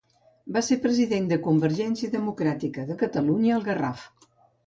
Va ser president de Convergència Democràtica de Catalunya al Garraf.